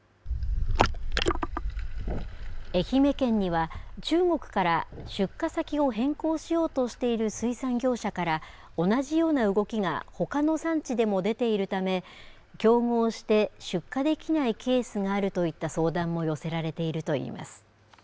愛媛県には、中国から出荷先を変更しようとしている水産業者から、同じような動きがほかの産地でも出ているため、競合して、出荷できないケースがあるといった相談も寄せられているといいます。